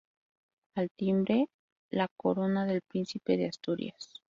Al timbre la corona del Príncipe de Asturias.